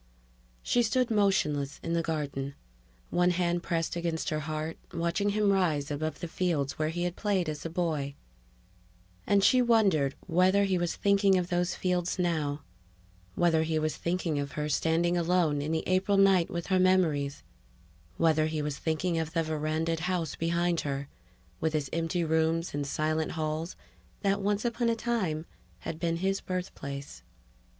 She stood motionless in the garden, one hand pressed against her heart, watching him rise above the fields where he had played as a boy, where he had worked as a young man; and she wondered whether he was thinking of those fields now, whether he was thinking of her standing alone in the April night with her memories; whether he was thinking of the verandahed house behind her, with its empty rooms and silent halls, that once upon a time had been his birthplace.